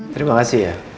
terima kasih ya